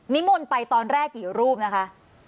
มนต์ไปตอนแรกกี่รูปนะคะ